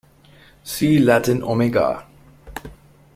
See Latin omega.